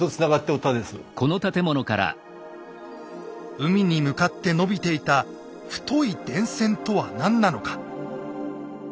海に向かって伸びていた太い電線とは何なのか。